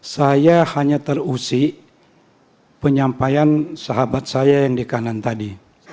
saya hanya terusik penyampaian sahabat saya yang di kanan tadi